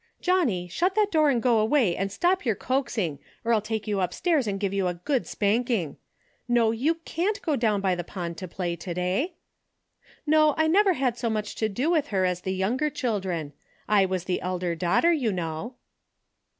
(Johnnie, shut that door and go away and stop your coaxing, or I'll take you upstairs and DAILY RATE:'> 89 give you a good spanking. E'o, you canH go down by the pond to play to day.) No, I never had so much to do with her as the younger children. I was the elder daughter, you know."